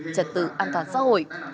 trật tự an toàn xã hội